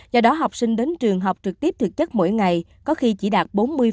do đó học sinh đến trường học trực tiếp thực chất mỗi ngày có khi chỉ đạt bốn mươi